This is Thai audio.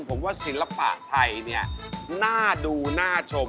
ผมว่าศิลปะไทยเนี่ยน่าดูน่าชม